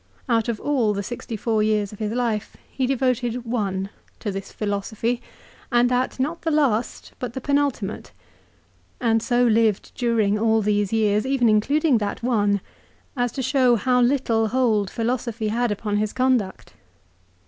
Out of all the sixty four years of his life he devoted one to this philo sophy, and that not the last, but the penultimate, and so lived during all these years, even including that one, as to show how little hold philosophy had upon his conduct.